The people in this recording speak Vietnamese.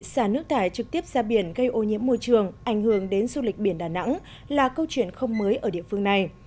xả nước thải trực tiếp ra biển gây ô nhiễm môi trường ảnh hưởng đến du lịch biển đà nẵng là câu chuyện không mới ở địa phương này